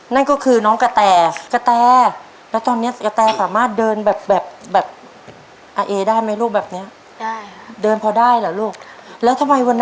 นั่นก็คือน้องแกะแต่